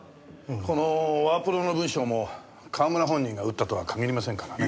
このワープロの文章も川村本人が打ったとは限りませんからね。